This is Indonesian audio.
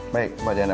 baik pak diana